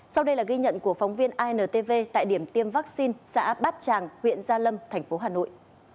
sau đây là ghi nhận của phóng viên intv tại điểm tiêm vaccine xã bát tràng huyện gia lâm thành phố hà nội